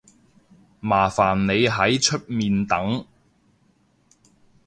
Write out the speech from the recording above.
麻煩你喺出面等